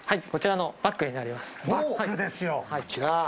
こちらのバッグになります。